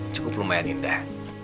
cukup lumayan indah